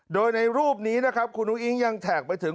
โดยในรูปนี้นะครับคุณอุ้งยังแท็กไปถึง